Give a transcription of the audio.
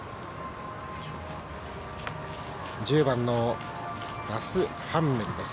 １０番のラスハンメルです。